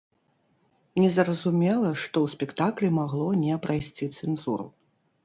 Незразумела, што ў спектаклі магло не прайсці цэнзуру.